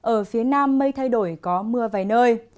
ở phía nam mây thay đổi có mưa vài nơi